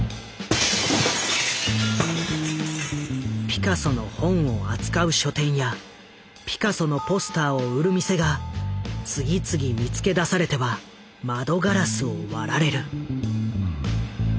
ピカソの本を扱う書店やピカソのポスターを売る店が次々見つけ出されては窓ガラスを割られる。